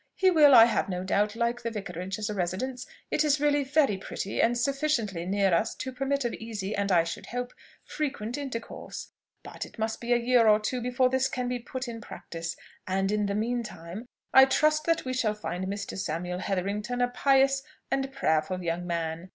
He will, I have no doubt, like the Vicarage as a residence: it is really very pretty, and sufficiently near us to permit of easy, and I should hope, frequent intercourse. But it must be a year or two before this can be put in practice; and, in the mean time, I trust that we shall find Mr. Samuel Hetherington a pious and prayerful young man.